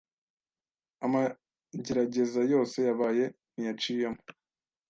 amagerageza yose yabaye ntiyaciyemo